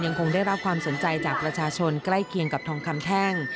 คงได้รับความสนใจจากประชาชนใกล้เคียงกับทองคำแท่ง